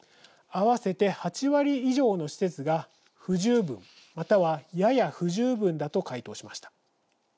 合わせて８割以上の施設が「不十分」または「やや不十分」だと回答しました。